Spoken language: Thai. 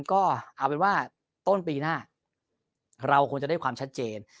ก็เอาเป็นว่าต้นปีหน้าเราควรจะได้ความชัดเจน